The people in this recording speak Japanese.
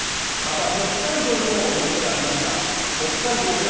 また北海道でも動きがありました。